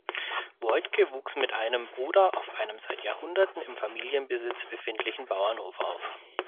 Woidke wuchs mit einem Bruder auf einem seit Jahrhunderten im Familienbesitz befindlichen Bauernhof auf.